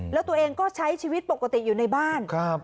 แล้วตัวเองก็ใช้ชีวิตปกติอยู่ในบ้าน